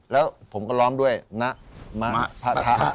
แล้วผมก็ร้องด้วยนะมะพะทะ